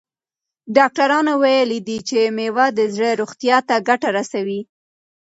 ډاکټرانو ویلي دي چې مېوه د زړه روغتیا ته ګټه رسوي.